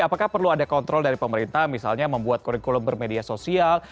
apakah perlu ada kontrol dari pemerintah misalnya membuat kurikulum bermedia sosial